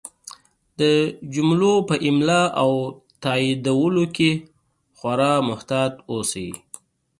د جملو په املا او تایید کولو کې خورا محتاط اوسئ!